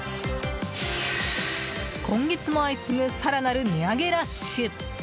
今月も相次ぐ更なる値上げラッシュ。